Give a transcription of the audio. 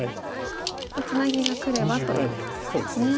ツナギがくればということですね。